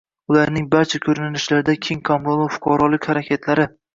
ularning barcha ko‘rinishlarida keng qamrovli fuqarolik harakatlari